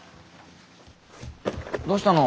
どうしたの？